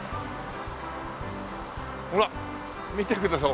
ほら見てください。